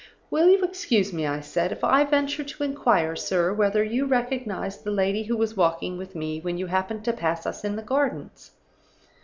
"'Will you excuse me,' I said, 'if I venture to inquire, sir, whether you recognized the lady who was walking with me when you happened to pass us in the Gardens?